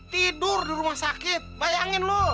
tidur di rumah sakit bayangin lu